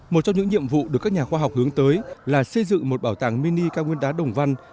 một trong những nhiệm vụ được các nhà khoa học hướng tới là xây dựng một bảo tàng mini cao nguyên đá đồng văn